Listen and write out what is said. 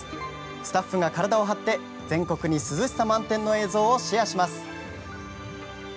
スタッフが体を張って全国に涼しさ満点の映像をシェアします。